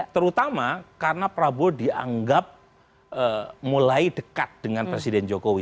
terutama karena prabowo dianggap mulai dekat dengan presiden jokowi